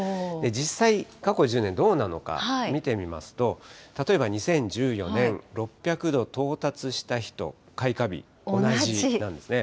実際、過去１０年、どうなのか見てみますと、例えば２０１４年、６００度到達した日と開花日、同じなんですね。